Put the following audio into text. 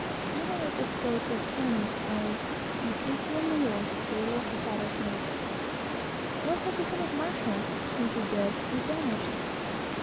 One article spoke of Taney as Justicia Mayor de los Estados Unidos, (what had become of Marshall? was he dead, or banished?)